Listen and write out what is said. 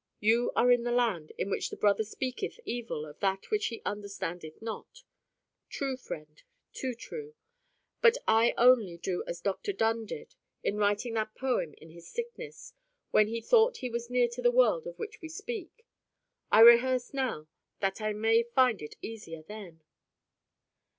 You are in the land in which the brother speaketh evil of that which he understandeth not."—True, friend; too true. But I only do as Dr Donne did in writing that poem in his sickness, when he thought he was near to the world of which we speak: I rehearse now, that I may find it easier then.